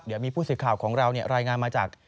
เดี๋ยวมีผู้สื่อข่าวของเรารายงานมาจาก